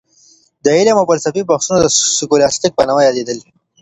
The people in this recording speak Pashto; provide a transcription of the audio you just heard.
د علم او فلسفې بحثونه د سکولاستيک په نامه يادېدل.